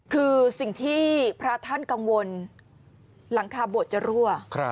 คือสิ่งที่พระท่านกังวลหลังคาบวชจะรั่ว